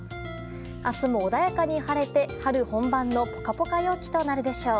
明日も穏やかに晴れて、春本番のポカポカ陽気となるでしょう。